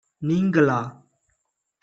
நீங்களா?